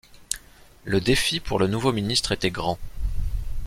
Le défi pour le nouveau ministre était grand.